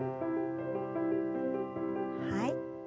はい。